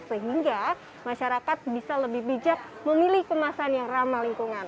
sehingga masyarakat bisa lebih bijak memilih kemasan yang ramah lingkungan